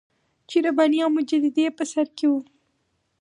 چې رباني او مجددي یې په سر کې وو.